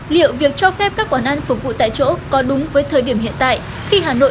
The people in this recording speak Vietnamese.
liệu việc cho phép các quán ăn phục vụ tại chỗ có đúng với thời điểm hiện tại